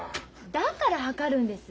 だから量るんです。